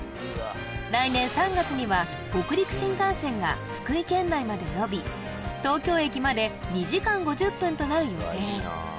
来年３月には北陸新幹線が福井県内まで延び東京駅まで２時間５０分となる予定